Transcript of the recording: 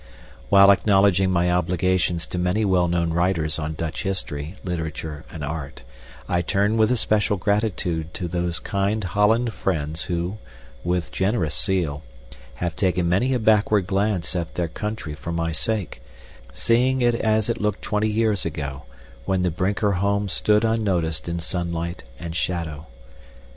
While acknowledging my obligations to many well known writers on Dutch history, literature, and art, I turn with especial gratitude to those kind Holland friends who, with generous zeal, have taken many a backward glance at their country for my sake, seeing it as it looked twenty years ago, when the Brinker home stood unnoticed in sunlight and shadow.